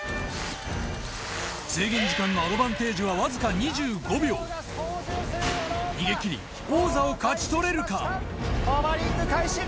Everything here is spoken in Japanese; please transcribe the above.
制限時間のアドバンテージはわずか２５秒逃げ切りホバリング開始。